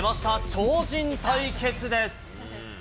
超人対決です。